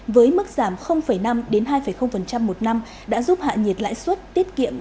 với mức giảm năm hai một năm đã giúp hạ nhiệt lãi suất tiết kiệm